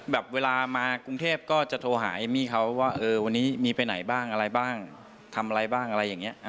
เวลามากรุงเทพก็จะโทรหาเอมมี่เขาว่าเออวันนี้มีไปไหนบ้างอะไรบ้างทำอะไรบ้างอะไรอย่างนี้